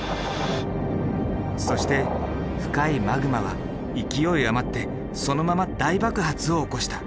そして深いマグマは勢い余ってそのまま大爆発を起こした。